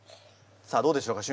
さあどうでしょうか？